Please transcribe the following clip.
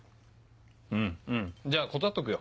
うんうんじゃあ断っとくよ。